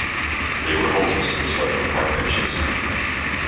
They were homeless and slept on park benches.